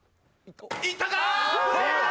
いったかー！？